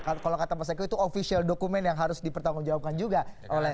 kalau kata mas eko itu official dokumen yang harus dipertanggungjawabkan juga oleh